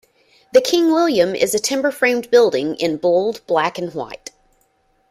The King William is a timber-framed building in bold black and white.